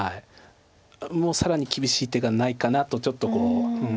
もう更に厳しい手がないかなとちょっと。